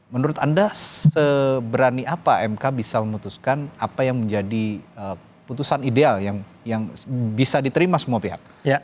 menurut anda seberani apa mk bisa memutuskan apa yang menjadi putusan ideal yang bisa diterima semua pihak